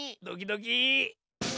ドキドキ！